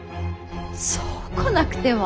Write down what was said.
そう来なくては。